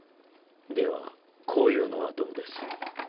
ではこういうのはどうです？